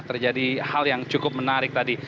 terjadi hal yang cukup menarik tadi